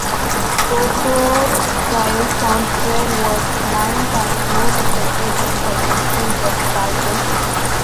Postwar trials found Squid was nine times more effective than conventional depth charges.